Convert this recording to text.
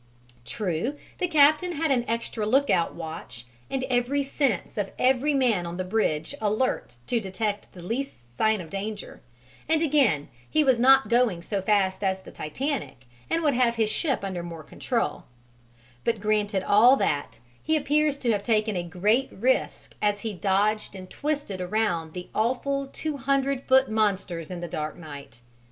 True, the captain had an extra lookout watch and every sense of every man on the bridge alert to detect the least sign of danger, and again he was not going so fast as the Titanic and would have his ship under more control; but granted all that, he appears to have taken a great risk as he dogged and twisted round the awful two hundred foot monsters in the dark night.